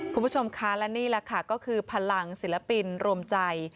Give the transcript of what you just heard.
คุณผู้ชมคะและนี่แหละค่ะก็คือพลังศิลปินรวมใจ